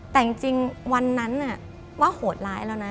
แต่จริงวันนั้นว่าโหดร้ายแล้วนะ